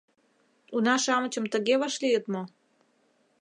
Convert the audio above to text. Уна-шамычым тыге вашлийыт мо?